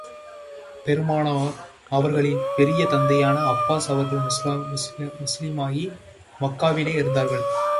பெருமானார் அவர்களின் பெரிய தந்தையான அப்பாஸ் அவர்கள் முஸ்லிமாகி, மக்காவிலே இருந்தார்கள்.